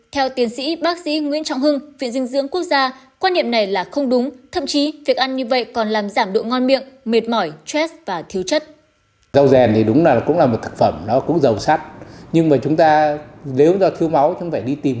theo tiến sĩ bác sĩ nguyễn trọng hưng viện dinh dưỡng quốc gia quan niệm này là không đúng thậm chí việc ăn như vậy còn làm giảm độ ngon miệng mệt mỏi truez và thiếu chất